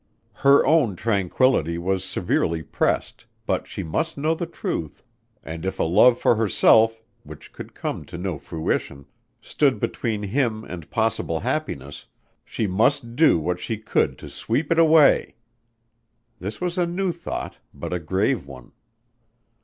Her own tranquillity was severely pressed, but she must know the truth, and if a love for herself, which could come to no fruition, stood between him and possible happiness, she must do what she could to sweep it away. This was a new thought, but a grave one.